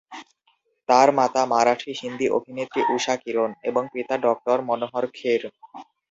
তার মাতা মারাঠি হিন্দি অভিনেত্রী ঊষা কিরণ এবং পিতা ডক্টর মনোহর খের।